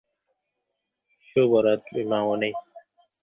শুভরাত্রি, মামুনি।